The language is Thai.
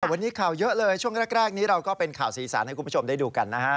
วันนี้ข่าวเยอะเลยช่วงแรกนี้เราก็เป็นข่าวสีสันให้คุณผู้ชมได้ดูกันนะฮะ